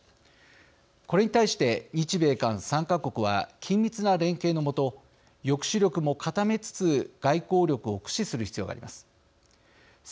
これに対して日米韓３か国は緊密な連携の下抑止力も固めつつ外交力を駆使する必要があります。